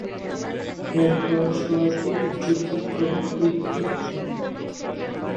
এরপর শহরটির দ্রুত প্রবৃদ্ধি ঘটে।